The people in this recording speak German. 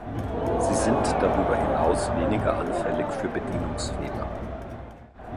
Sie sind darüber hinaus weniger anfällig für Bedienungsfehler.